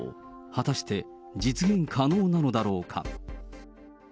果たして実現可能なのだろうか。